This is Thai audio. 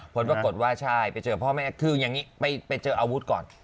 ผลปรากฏว่าใช่ไปเจอพ่อแม่คืออย่างนี้ไปเจออาวุธก่อน